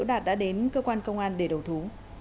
các cơ quan công an để đầu thú